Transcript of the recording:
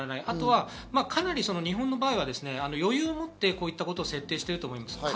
あとは日本の場合は余裕をもってこういったことを設定していると思います。